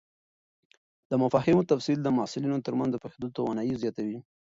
د مفاهیمو تفصیل د محصلینو تر منځ د پوهېدو توانایي زیاتوي.